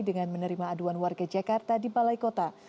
dengan menerima aduan warga jakarta di balai kota